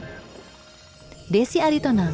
yang tidak kalah indah dari pulau blitung